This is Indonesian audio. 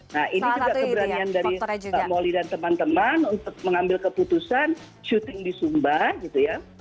nah ini juga keberanian dari moli dan teman teman untuk mengambil keputusan syuting di sumba gitu ya